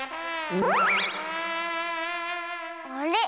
あれ？